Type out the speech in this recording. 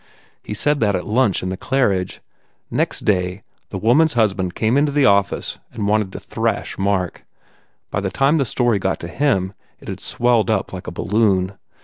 He said that at lunch in the Claridge. Next day the woman s husband came into the office and wanted to thrash Mark. By the time the story got to him it had swelled up like a balloon.